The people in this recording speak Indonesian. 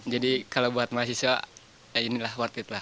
jadi kalau buat mahasiswa ya inilah worth it lah